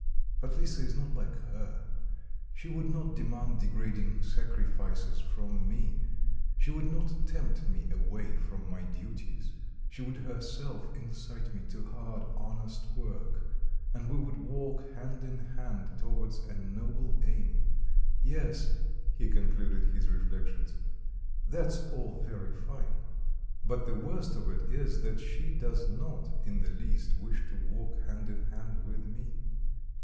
But Lisa is not like her; she would not demand degrading sacrifices from me: she would not tempt me away from my duties; she would herself incite me to hard honest work, and we would walk hand in hand towards a noble aim. Yes," he concluded his reflections, "that's all very fine, but the worst of it is that she does not in the least wish to walk hand in hand with me.